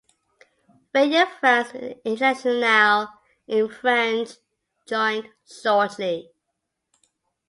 Radio France Internationale in French joined shortly.